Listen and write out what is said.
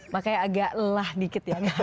makanya agak lelah dikit ya